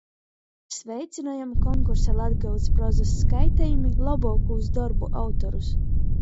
Sveicynojam konkursa "Latgolys prozys skaitejumi" lobuokūs dorbu autorus!